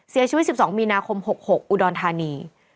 เสียชีวิต๑๒มีนาคม๖๖อุดรธานี